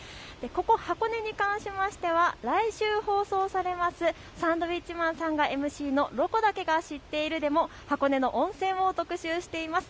ここ箱根に関しては来週放送されるサンドウィッチマンさんがＭＣのロコだけが知っているでも箱根の温泉を特集しています。